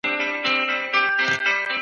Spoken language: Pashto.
پانګوال نظام ظلم ته لاره هواروي.